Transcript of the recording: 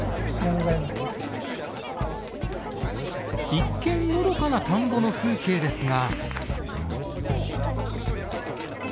一見のどかな田んぼの風景ですが。